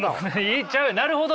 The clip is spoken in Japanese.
なるほど。